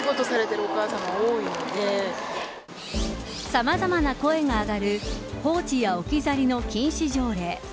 さまざまな声が上がる放置や置き去りの禁止条例。